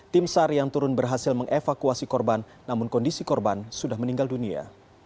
tim sar yang turun berhasil mengevakuasi korban namun kondisi korban sudah meninggal dunia